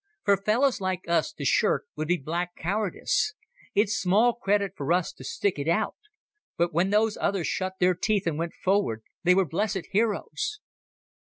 For fellows like us to shirk would be black cowardice. It's small credit for us to stick it out. But when those others shut their teeth and went forward, they were blessed heroes...."